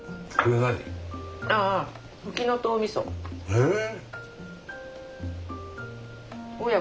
へえ！